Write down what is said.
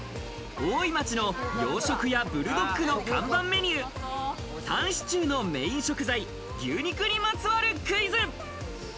大井町の洋食屋ブルドックの看板メニュー、タンシチューのメイン食材、牛肉にまつわるクイズ。